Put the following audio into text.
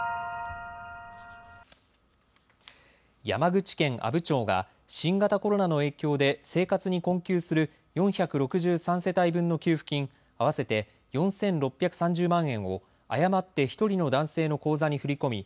山口県阿武町が新型コロナの影響で生活に困窮する４６３世帯分の給付金合わせて４６３０万円を誤って１人の男性の口座に振り込み